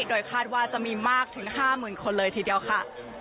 โดยคาดว่าจะมีมากถึง๕๐๐๐คนเลยทีเดียวค่ะ